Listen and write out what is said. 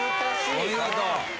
お見事。